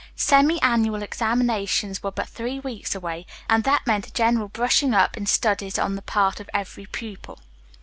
Semi annual examinations were but three weeks away, and that meant a general brushing up in studies on the part of every pupil.